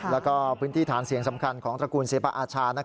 แล้วก็พื้นที่ฐานเสียงสำคัญของตระกูลศิลปะอาชา